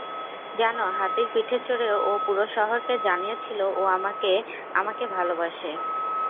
জানো, হাতির পিঠে চড়ে ও পুরো শহরকে জানিয়েছিল ও আমাকে আমাকে ভালোবাসে।